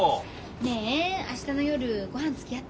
ねえ明日の夜ごはんつきあって。